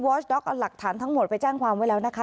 สด็อกเอาหลักฐานทั้งหมดไปแจ้งความไว้แล้วนะคะ